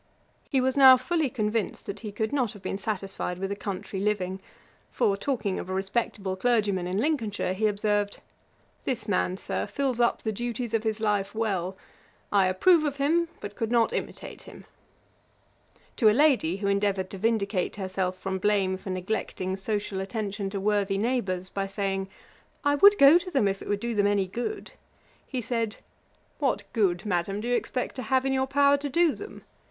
He was now fully convinced that he could not have been satisfied with a country living; for, talking of a respectable clergyman in Lincolnshire, he observed, 'This man, Sir, fills up the duties of his life well. I approve of him, but could not imitate him.' [Page 477: The Literary Club. Ætat 55.] To a lady who endeavoured to vindicate herself from blame for neglecting social attention to worthy neighbours, by saying, 'I would go to them if it would do them any good,' he said, 'What good, Madam, do you expect to have in your power to do them?